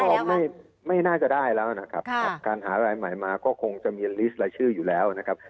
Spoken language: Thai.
ก็ไม่น่าจะได้แล้วนะครับการหารายใหม่มาก็คงจะมีลิสต์รายชื่ออยู่แล้วนะครับ